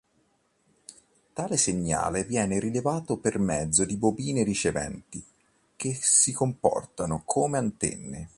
Tale segnale viene rilevato per mezzo di bobine riceventi, che si comportano come antenne.